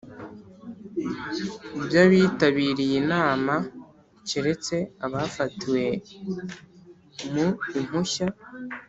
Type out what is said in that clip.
By abitabiriye inama keretse afatiwe mu impushya